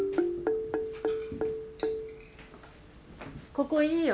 ここいいよ。